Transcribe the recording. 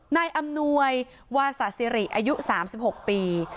นายอำนวยวาสะสิริอายุ๓๖ปี